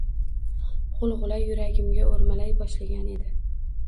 g‘ulg‘ula yuragimga o'rmalay boshlagan edi: